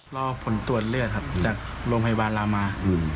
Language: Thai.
รอผลตรวจเลือดครับจากโรงพยาบาลรามา